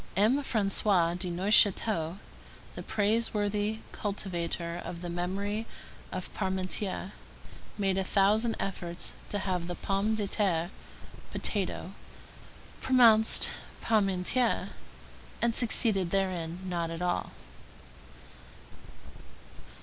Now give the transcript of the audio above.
M. François de Neufchâteau, the praiseworthy cultivator of the memory of Parmentier, made a thousand efforts to have pomme de terre [potato] pronounced parmentière, and succeeded therein not at all.